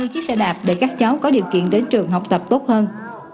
năm mươi chiếc xe đạp để các cháu có điều kiện đến trường học tập tốt hơn